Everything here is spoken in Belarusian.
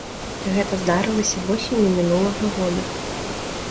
Гэта здарылася восенню мінулага года.